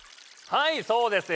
はいそうです！